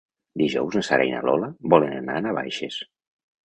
Dijous na Sara i na Lola volen anar a Navaixes.